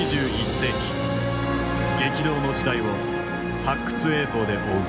激動の時代を発掘映像で追う。